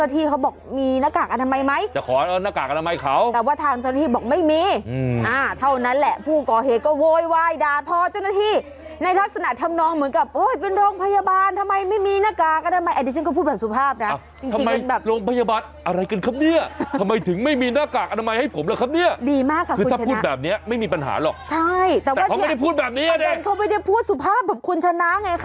ตอนนี้เขาไปพูดสูตรสุภาพถูมคณธนาไงคะ